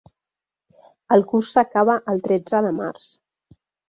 El curs s'acaba el tretze de març.